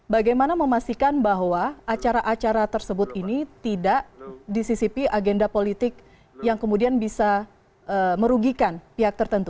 bagaimana memastikan bahwa acara acara tersebut ini tidak disisipi agenda politik yang kemudian bisa merugikan pihak tertentu